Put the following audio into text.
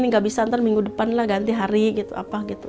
enggak bisa nanti minggu depan lah ganti hari gitu